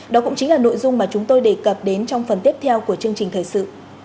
đó cũng chính là nội dung mà chúng tôi đề cập đến trong phần tiếp theo của chương trình thời sự